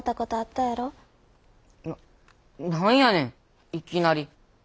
な何やねんいきなり。